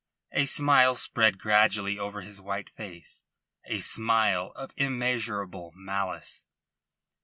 A smile spread gradually over his white face a smile of immeasurable malice.